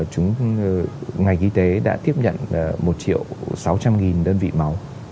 chúng ngành y tế đã tiếp nhận một triệu sáu trăm linh nghìn đơn vị máu